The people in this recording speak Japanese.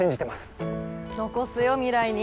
残すよ未来に。